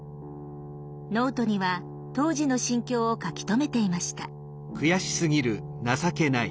ノートには当時の心境を書き留めていました。